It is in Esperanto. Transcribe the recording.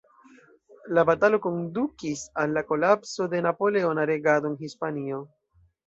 La batalo kondukis al la kolapso de napoleona regado en Hispanio.